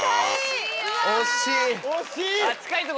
惜しい。